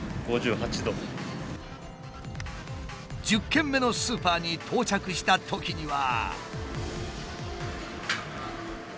１０軒目のスーパーに到着したときには。